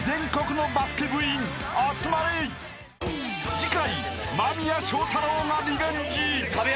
［次回間宮祥太朗がリベンジ］